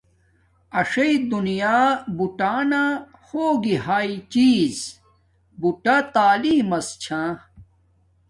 اݽݵ دونیا بوٹانہ ہوگی ہاݵ چیز بوٹا تعلیم مس چھا